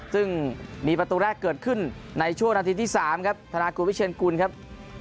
ซึ่งมีประตูแรกเกิดขึ้นในช่วงนาทีที่๓ครับธนากุลวิเชียนกุลครับ